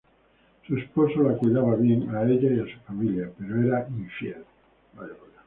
Su esposo la cuidaba bien a ella y a su familia, pero era infiel.